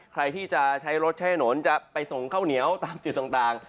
ใครที่จะใช้รถใช้ถนนจะไปส่งข้าวเหนียวตามจุดต่าง